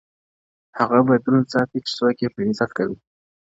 هغه به دروند ساتي چي څوک یې په عزت کوي ـ